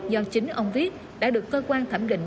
do chính ông viết đã được cơ quan thẩm định